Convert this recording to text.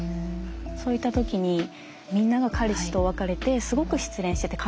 そういった時にみんなが彼氏と別れてすごく失恋してて悲しそう。